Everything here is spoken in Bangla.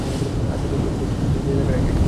আজ দেখলে সে জায়গাটা খালি।